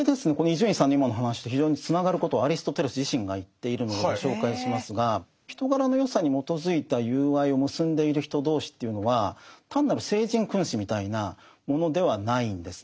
伊集院さんの今の話と非常につながることをアリストテレス自身が言っているのでご紹介しますが人柄の善さに基づいた友愛を結んでいる人同士というのは単なる聖人君子みたいなものではないんです。